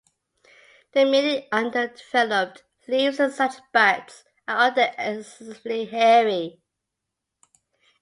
The minute underdeveloped leaves in such buds are often excessively hairy.